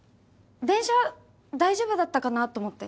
電車大丈夫だったかなと思って。